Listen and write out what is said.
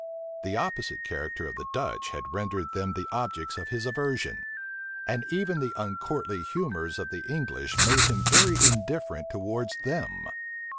The opposite character of the Dutch had rendered them the objects of his aversion; and even the uncourtly humors of the English made him very indifferent towards them.